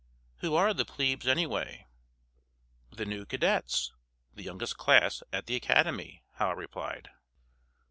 Who are the plebes, anyway?" "The new cadets; the youngest class at the Academy," Hal replied.